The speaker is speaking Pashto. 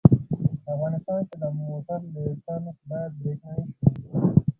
په افغانستان کې د موټر لېسنس باید برېښنایي شي